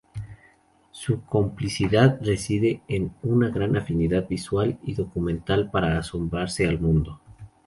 Su complicidad reside en una gran afinidad visual y documental para asomarse al mundo.